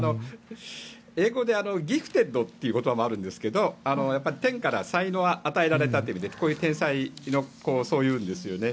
英語でギフテッドというのがあるんですけど、天から才能が与えられたという意味で天才のことをそういうんですよね。